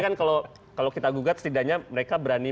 bikin planning tapi kan kalau kita gugat setidaknya mereka berani